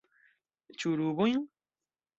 Ĉu rubojn?